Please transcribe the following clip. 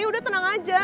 udah tenang aja